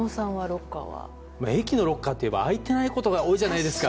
駅のロッカーといえば空いてないことが多いじゃないですか。